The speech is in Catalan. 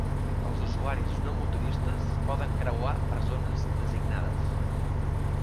Els usuaris no motoristes poden creuar per zones designades.